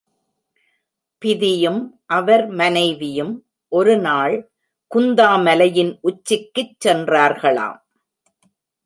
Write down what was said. பிதியும் அவர் மனைவியும், ஒரு நாள் குந்தா மலையின் உச்சிக்குச் சென்றார்களாம்.